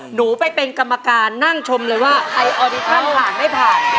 หนูไปเป็นกรรมการนั่งชมเลยว่าไอออดิชั่นผ่านไม่ผ่าน